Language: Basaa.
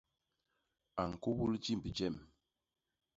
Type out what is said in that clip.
A ñkubul jimb jem.